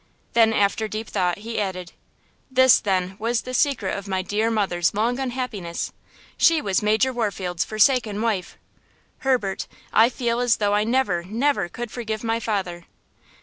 Then, after deep thought, he added: "This, then, was the secret of my dear mother's long unhappiness. She was Major Warfield's forsaken wife. Herbert, I feel as though I never, never could forgive my father!"